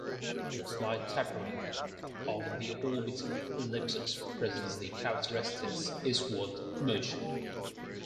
The slight tapering of the orbital ellipses represents the characteristic eastward motion.